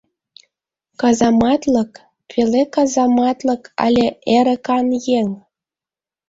Казаматлык, пеле казаматлык але эрыкан еҥ?